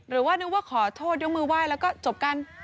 หรือว่านึกว่าขอโทษยกมือไหว้แล้วก็จบกัน